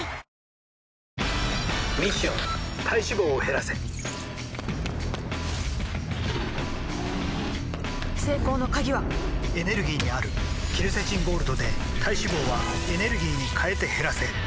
ミッション体脂肪を減らせ成功の鍵はエネルギーにあるケルセチンゴールドで体脂肪はエネルギーに変えて減らせ「特茶」